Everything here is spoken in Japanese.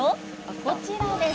こちらです。